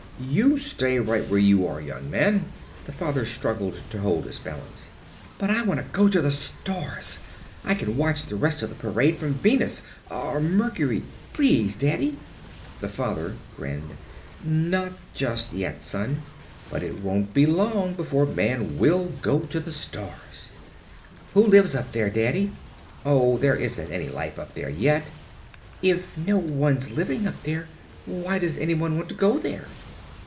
"You stay right where you are, young man," the father struggled to hold his balance. "But I wanna go to the stars. I can watch the rest of the parade from Venus or Mercury! Please, Daddy!" The father grinned. "Not just yet, son, but it won't be long before man will go to the stars." "Who lives up there, Daddy?" "Oh, there isn't any life up there yet." "If no one's living up there why does anyone want to go there?"